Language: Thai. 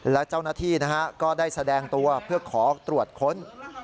และเจ้าหน้าที่ก็ได้แสดงตัวเพื่อขอตรวจค้น